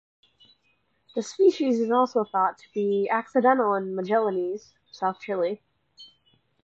The species is also thought to be accidental in Magallanes, south Chile.